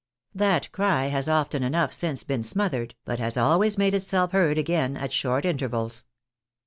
That cry has often enough since been smothered, but has always made itself heard again at short intervals.